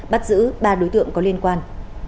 bắt giữ ba đối tượng có liên quan